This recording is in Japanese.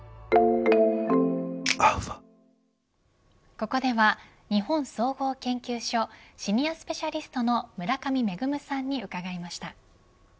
ここでは日本総合研究所シニアスペシャリストの村上芽さんに伺いました。